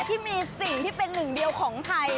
ที่มีสิ่งที่เป็นหนึ่งเดียวของไทย